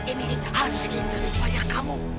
ini hasil ceritaya kamu